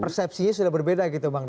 persepsinya sudah berbeda gitu bang